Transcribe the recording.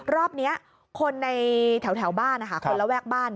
รอบนี้คนในแถวบ้านนะคะคนระแวกบ้าน